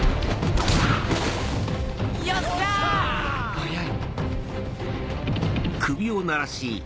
速い！